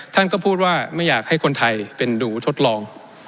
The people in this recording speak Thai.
ท่านก็พูดว่าไม่อยากให้คนไทยเป็นดูทดลอง